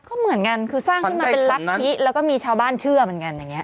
ก็เหมือนกันคือสร้างขึ้นมาเป็นรัฐธิแล้วก็มีชาวบ้านเชื่อเหมือนกันอย่างนี้